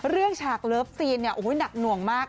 ฉากเลิฟซีนเนี่ยโอ้โหหนักหน่วงมาก